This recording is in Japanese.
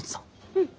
うん。